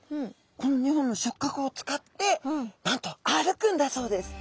この２本の触角を使ってなんと歩くんだそうです。